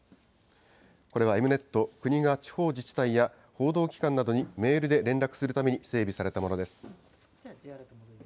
これはＥｍ−Ｎｅｔ、国が地方自治体や報道機関などにメールで連絡するために整備されたものです。